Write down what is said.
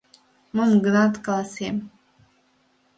— Мом-гынат каласем.